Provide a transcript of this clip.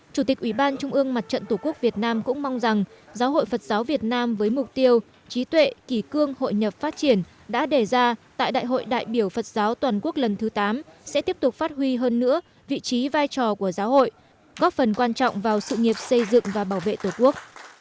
chủ tịch ủy ban trung ương mặt trận tổ quốc việt nam cũng mong rằng giáo hội phật giáo việt nam với mục tiêu trí tuệ kỳ cương hội nhập phát triển đã đề ra tại đại hội đại biểu phật giáo toàn quốc lần thứ tám sẽ tiếp tục phát huy hơn nữa vị trí vai trò của giáo hội góp phần quan trọng vào sự nghiệp xây dựng và bảo vệ tổ quốc